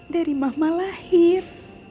dari mama lahir